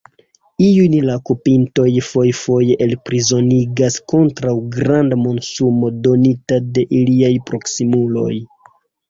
Iujn la okupintoj fojfoje elprizonigas kontraŭ granda monsumo donita de iliaj proksimuloj.